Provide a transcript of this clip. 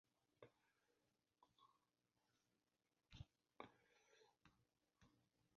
Op dit stuit wurkje wy mei ús seizen.